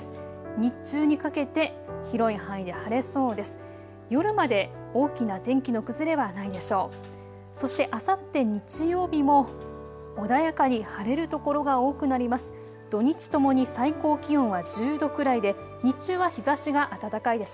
日中にかけて広い範囲で晴れそうです。